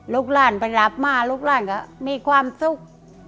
ลูกหลานไปรับมาลูกหลานก็มีความสุข